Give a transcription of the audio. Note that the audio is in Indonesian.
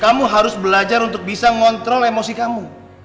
kamu harus belajar untuk bisa ngontrol emosi kamu